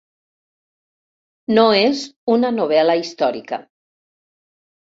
No és una novel·la històrica.